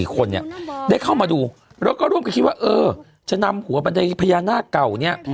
คนเนี่ยได้เข้ามาดูแล้วก็ร่วมกันคิดว่าเออจะนำหัวบันไดพญานาคเก่าเนี่ย